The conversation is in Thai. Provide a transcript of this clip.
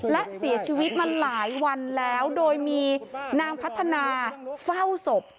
และเสียชีวิตมาหลายวันแล้วโดยมีนางพัฒนาเฝ้าศพ